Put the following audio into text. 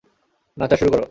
নাচা শুরু করো।